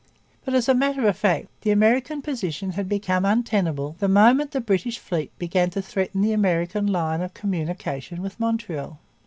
But, as a matter of fact, the American position had become untenable the moment the British fleet began to threaten the American line of communication with Montreal.